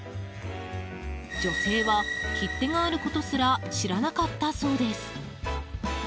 女性は切手があることすら知らなかったそうです。